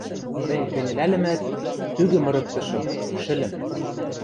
Мӹнь кӹньӹлӓльӹмӓт, тӱгӹ мырыктышым, шӹльӹм.